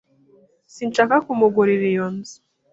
Sinshaka kumugurira iyo nzu.